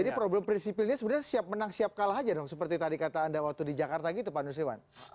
jadi prinsipilnya sebenarnya siap menang siap kalah saja dong seperti tadi kata anda waktu di jakarta gitu pak nusrewan